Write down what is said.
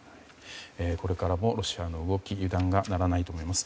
これからもロシアの動きに油断がならないと思います。